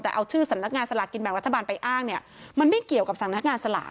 แต่เอาชื่อสำนักงานสลากกินแบ่งรัฐบาลไปอ้างเนี่ยมันไม่เกี่ยวกับสำนักงานสลาก